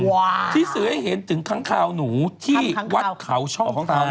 ว้าวที่สือให้เห็นถึงครั้งคราวหนูที่วัดเขาช่องการ